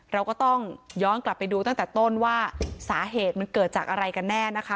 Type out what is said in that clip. เราก็ต้องย้อนกลับไปดูตั้งแต่ต้นว่าสาเหตุมันเกิดจากอะไรกันแน่นะคะ